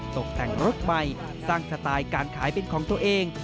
ตกแต่งรถใหม่สร้างสไตล์การขายเป็นของตัวเอง